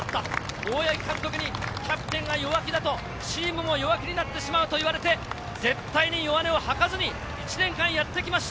大八木監督にキャプテンが弱気だとチームも弱気になってしまうと言われて、絶対に弱音を吐かずに１年間やってきました。